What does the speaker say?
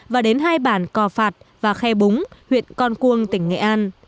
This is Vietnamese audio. và đến hai bản cò phạt và khe búng huyện con cuông tỉnh nghệ an